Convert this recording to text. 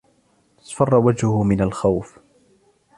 اصفرَّ وجهه من الخوف.